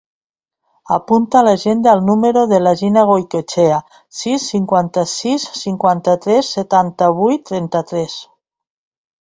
Apunta a l'agenda el número de la Gina Goicoechea: sis, cinquanta-sis, cinquanta-tres, setanta-vuit, trenta-tres.